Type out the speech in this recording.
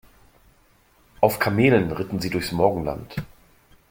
Auf Kamelen ritten sie durchs Morgenland.